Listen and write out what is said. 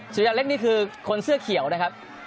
สุริยาเล็กนี่คือคนเสื้อเขียวนะครับ